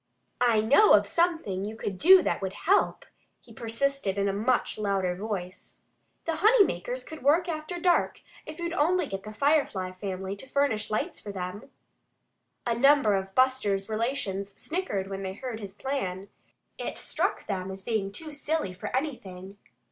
"I know of something you could do that would help," he persisted, in a much louder voice. "The honey makers could work after dark if you'd only get the Firefly family to furnish lights for them." A number of Buster's relations snickered when they heard his plan. It struck them as being too silly for anything.